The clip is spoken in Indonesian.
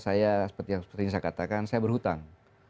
saya seperti yang saya katakan saya berhutang